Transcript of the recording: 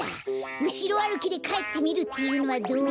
うしろあるきでかえってみるっていうのはどう？